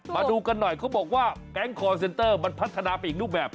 มาดูกันหน่อยเขาบอกว่าแก๊งคอร์เซ็นเตอร์มันพัฒนาไปอีกรูปแบบ